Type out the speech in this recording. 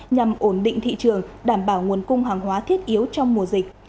nhằm ổn định thị trường đảm bảo nguồn cung hàng hóa thiết yếu trong mùa dịch